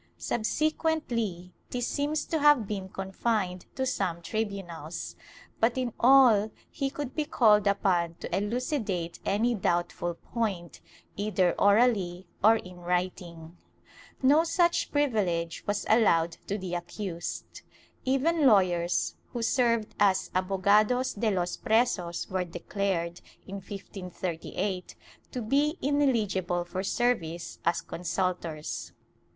Subsequently this seems to have been confined to some tribunals, but in all he could be called upon to elucidate any doubtful point, either orally or in writing.^ No such privilege was allowed to the accused. Even lawyers who served as abogados de los presos were declared, in 1538, to be inehgible for service as consultors.